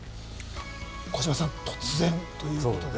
児嶋さん、突然ということで。